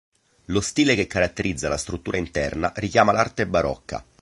Lo stile che caratterizza la struttura interna richiama l'arte barocca.